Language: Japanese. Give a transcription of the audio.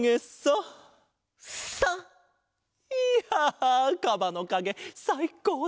いやかばのかげさいこうだった！